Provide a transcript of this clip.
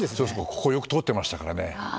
ここよく通ってましたからね。